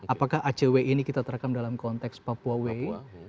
apakah acw ini kita terekam dalam konteks papua way